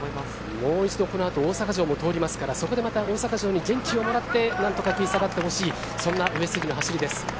もう一度このあと大阪城も通りますからそこでまた大阪城に元気をもらって何とか食い下がってほしいそんな上杉の走りです。